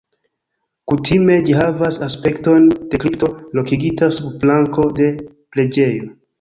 Kutime ĝi havas aspekton de kripto lokigita sub planko de preĝejo.